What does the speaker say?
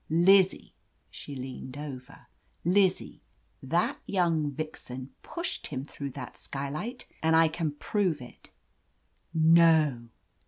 Lizzie," — she leaned over — "Lizzie, that young vixen pushed him through that skylight and I can prove it !" "No!"